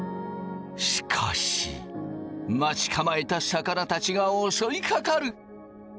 しかし待ち構えた魚たちが襲いかかる。